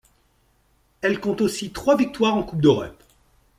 Elle compte aussi trois victoires en Coupe d'Europe.